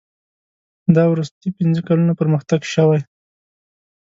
دا وروستي پنځه کلونه پرمختګ شوی.